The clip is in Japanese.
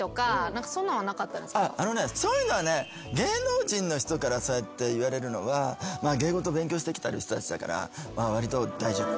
そういうのはね芸能人の人からそうやって言われるのは芸事勉強してきてる人たちだからわりと大丈夫。